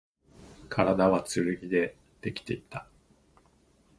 体は剣でできていた